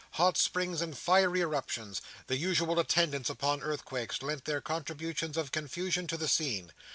Hot springs and fiery eruptions, the usual attendants upon earthquakes, lent their contributions of confusion to the scene.